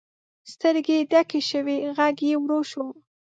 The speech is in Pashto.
سترګې یې ډکې شوې، غږ یې ورو شو.